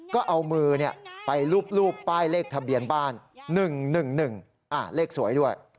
ก็เอามือไปรูปป้ายเลขทะเบียนบ้าน๑๑๑๑เลขสวยด้วย